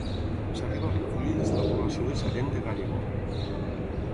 S'arriba al refugi des de la població de Sallent de Gállego.